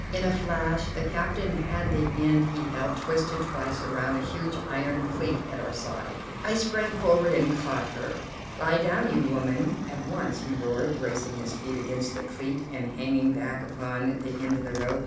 In a flash the captain had the end he held twisted twice around a huge iron cleat at our side. [Illustration: "I sprang forward and caught her." Page 251 ] "Lie down, you women, at once," he roared, bracing his feet against the cleat and hanging back upon the end of the rope.